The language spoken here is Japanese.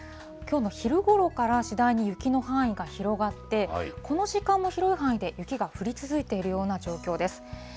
きょうの昼ごろから次第に雪の範囲が広がって、この時間も広い範囲で雪が降り続いているような状況です。